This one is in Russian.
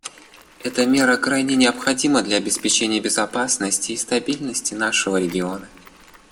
Эта мера крайне необходима для обеспечения безопасности и стабильности нашего региона.